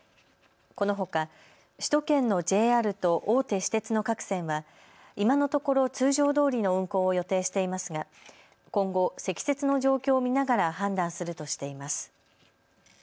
このほか首都圏のＪＲと大手私鉄の各線は今のところ通常どおりの運行を予定していますが今後、積雪の状況を見ながら判断するとしています。